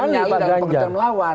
bukan nyali dalam pimpinan melawan